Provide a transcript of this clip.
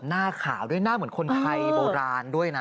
หน้าขาวด้วยหน้าเหมือนคนไทยโบราณด้วยนะ